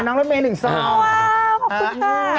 อังมธรรมเมตต์๑ซองว้าวขอบคุณครับ